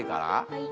はい。